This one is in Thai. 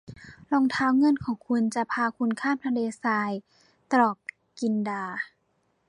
รองเท้าเงินของคุณจะพาคุณข้ามทะเลทรายตอบกลินดา